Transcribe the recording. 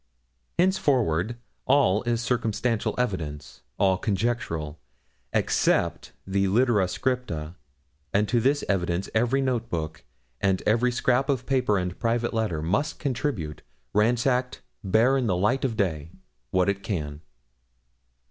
Henceforward all is circumstantial evidence all conjectural except the litera scripta, and to this evidence every note book, and every scrap of paper and private letter, must contribute ransacked, bare in the light of day what it can.